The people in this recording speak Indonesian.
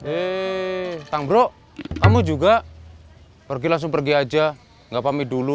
eh tang bro kamu juga pergi langsung pergi aja enggak pamit dulu